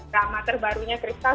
drama terbarunya crystal